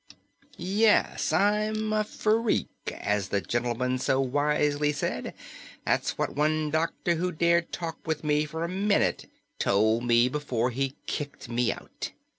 "Yes, I'm a freak, as the gentleman so wisely said. That's what one doctor who dared talk with me for a minute told me before he kicked me out.